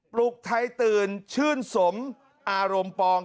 ลุกไทยตื่นชื่นสมอารมณ์ปอง